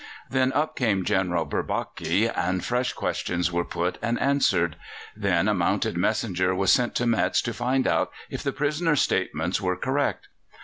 Then up came General Bourbaki, and fresh questions were put and answered; then a mounted messenger was sent to Metz to find out if the prisoner's statements were correct.